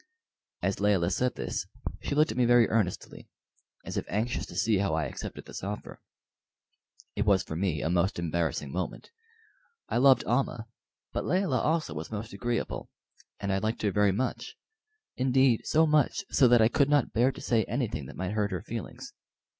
As Layelah said this she looked at me very earnestly, as if anxious to see how I accepted this offer. It was for me a most embarrassing moment. I loved Almah, but Layelah also was most agreeable, and I liked her very much; indeed, so much so that I could not bear to say anything that might hurt her feelings.